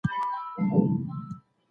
په سند او بلوچستان کي حالات څنګه وو؟